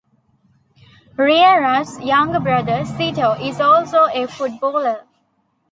Riera's younger brother, Sito, is also a footballer.